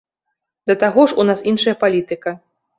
Да таго ж, у нас іншая палітыка.